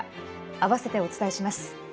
あわせてお伝えします。